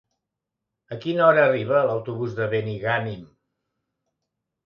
A quina hora arriba l'autobús de Benigànim?